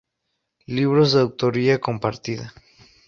Libros de Autoría Compartida